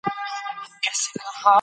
په دې کورکي رنګ په رنګ وه سامانونه